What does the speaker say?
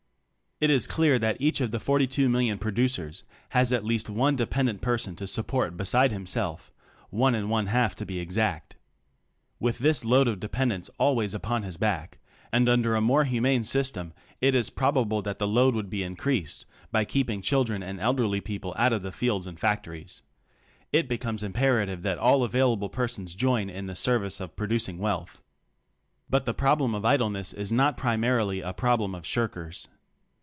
It is clear that each of the forty two million producers has at least one dependent person to support beside himself — one and one half to be exact. With this load of dependents al ways upon his back (and under a more humane system it is probable that the load would be increased by keeping children and elderly people out of the fields and factories), it be comes imperative that all available persons join in the service of producing wealth. But the problem of idleness is not primarily a problem of shirkers.